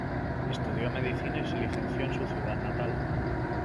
Estudió medicina y se licenció en su ciudad natal.